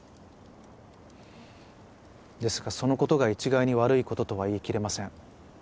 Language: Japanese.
ですがその事が一概に悪い事とは言いきれません。